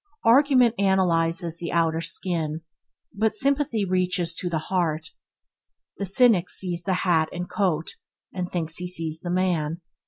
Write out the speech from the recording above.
Argument analyzes the outer skin, but sympathy reaches to the heart. The cynic sees the hat and coat, and thinks he sees the man.